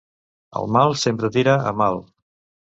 El mal sempre tira a mal.